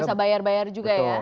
nggak usah bayar bayar juga ya